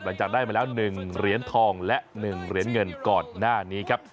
หลังจากได้มาแล้ว๑เหรียญทองและ๑เหรียญเงินก่อนหน้านี้ครับ